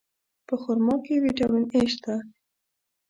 په خرما کې ویټامین A شته.